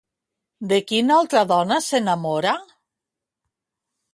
De quina altra dona s'enamora?